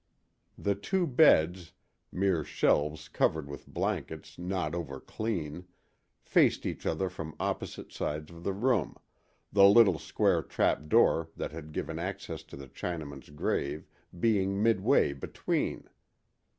The two beds—mere shelves covered with blankets not overclean—faced each other from opposite sides of the room, the little square trapdoor that had given access to the Chinaman's grave being midway between.